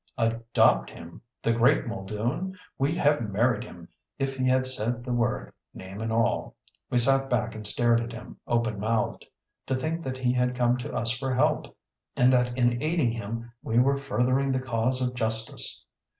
Adopt him! The great Muldoon! We'd have married him if he had said the word, name and all. We sat back and stared at him, open mouthed. To think that he had come to us for help, and that in aiding him we were furthering the cause of justice!